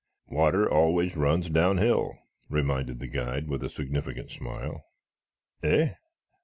"Water always runs down hill," reminded the guide with a significant smile. "Eh?